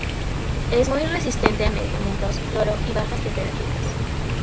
Es muy resistente a medicamentos, cloro, y bajas temperaturas.